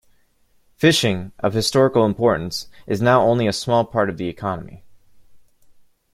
Fishing, of historic importance, is now only a small part of the economy.